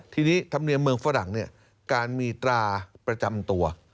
ทีนี้ธรรมเนียมเมืองฝรั่งการมีตราประจำตัว